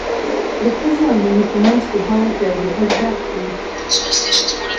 د ښځې او مېړه په منځ کې باید یو د بل درک وي.